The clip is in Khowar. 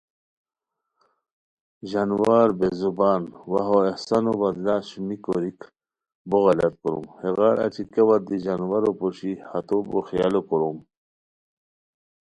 ژانوار بے زبان وا ہو احسانو بدلہ شومی کوریک بو غلط کوروم ہیغار اچی کیاوت دی ژانوارو پوشی ہتو بو خیالو کوروم